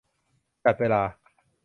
จัดเวลา